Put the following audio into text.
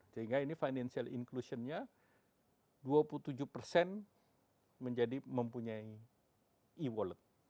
sehingga ini financial inclusionnya dua puluh tujuh persen menjadi mempunyai e wallet